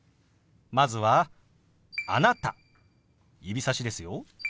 まずは「あなた」指さしですよ。